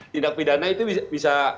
tindak pidana itu bisa